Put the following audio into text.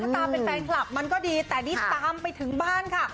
ตามเป็นแฟนคลับมันก็ดีแต่นี่ตามไปถึงบ้านค่ะ